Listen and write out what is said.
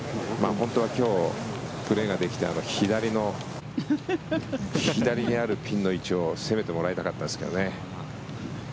本当は今日プレーができて左にあるピンの位置を攻めてもらいたかったですね。